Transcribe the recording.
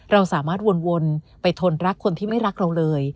เราสามารถวนไปทนรักคนที่ไม่รักเราเลย